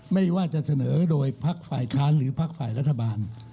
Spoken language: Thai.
ไม่ว่าจะเสนอโดยพักฝ่ายค้านหรือพักฝ่ายรัฐบาล